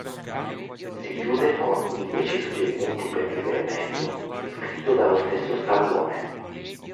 Si chiude con "I dieci suggerimenti per vivere meglio" scritto dallo stesso Stallone.